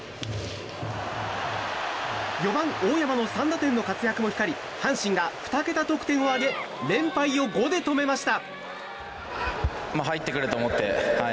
４番、大山の３打点の活躍も光り阪神が２桁得点を挙げ連敗を５で止めました。